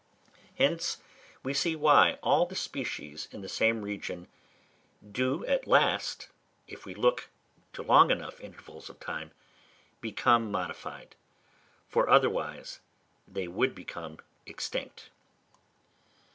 Hence, we see why all the species in the same region do at last, if we look to long enough intervals of time, become modified; for otherwise they would become extinct.